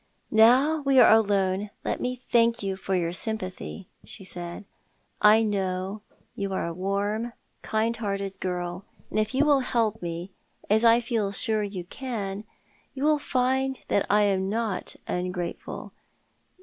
" Now we are alone let me thank you for your sympathy," she said. "I know you are a kind, warm hearted girl, and if you will help me — as I feel sure you can — you shall find that I am not ungrateful.